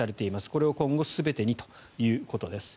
これを今後全てにということです。